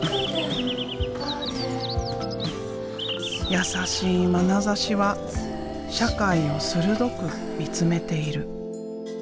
優しいまなざしは社会を鋭く見つめている。